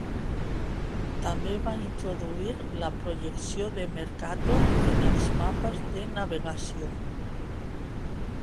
També va introduir la projecció de Mercator en els mapes de navegació.